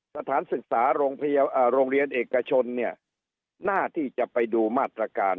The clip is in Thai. สถานศึกษาโรงเรียนเอกชนเนี่ยน่าที่จะไปดูมาตรการ